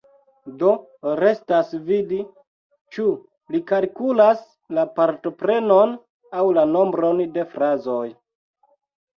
Do restas vidi, ĉu li kalkulas la partoprenon aŭ la nombron de frazoj.